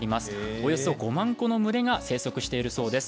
およそ５万個の群れが生息しているそうです。